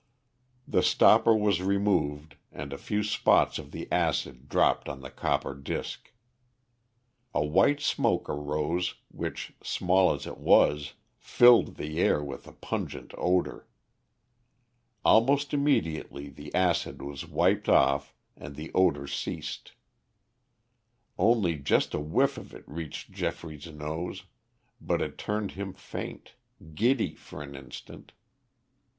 The stopper was removed and a few spots of the acid dropped on the copper disc. A white smoke arose, which, small as it was, filled the air with a pungent odor. Almost immediately the acid was wiped off and the odor ceased. Only just a whiff of it reached Geoffrey's nose, but it turned him faint giddy for an instant.